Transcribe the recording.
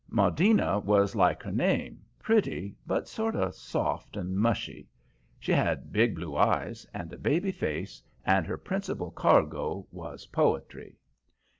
Maudina was like her name, pretty, but sort of soft and mushy. She had big blue eyes and a baby face, and her principal cargo was poetry.